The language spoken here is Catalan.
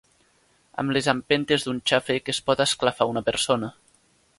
Amb les empentes d'un xàfec es pot esclafar a una persona